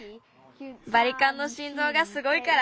バリカンのしんどうがすごいから。